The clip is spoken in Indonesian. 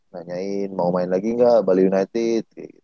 nanyain mau main lagi nggak bali united